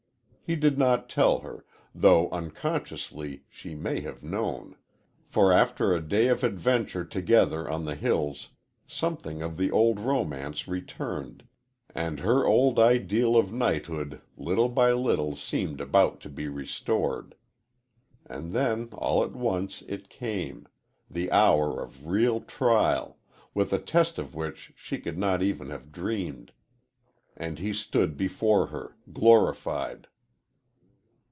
He did not tell her, though unconsciously she may have known, for after a day of adventure together on the hills something of the old romance returned, and her old ideal of knighthood little by little seemed about to be restored. And then, all at once, it came the hour of real trial, with a test of which she could not even have dreamed and he stood before her, glorified."